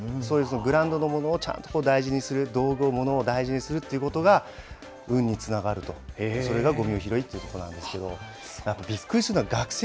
グラウンドのものをちゃんと大事にする、道具を、ものを大事にするということが運につながると、それがごみ拾いということなんですけど。